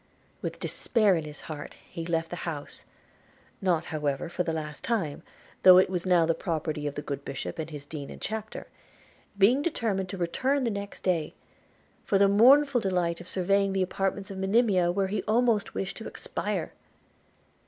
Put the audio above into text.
With despair in his heart he left the house (not however for the last time, though it was now the property of the good bishop and his dean and chapter), being determined to return the next day, for the mournful delight of surveying the apartments of Monimia, where he almost wished to expire.